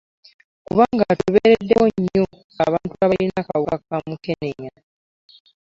Kubanga atubeereddewo nnyo ffe abantu abalina akawuka ka Mukenenya.